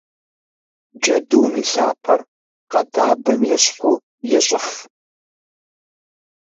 Джэдум и лъапэр къэдабэм ещхьу ещӏыф.